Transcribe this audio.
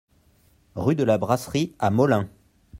Rue de la Brasserie à Molain